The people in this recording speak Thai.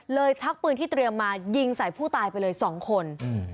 เลยทักปืนที่เตรียมมายิงใส่ผู้ตายไปเลย๒คน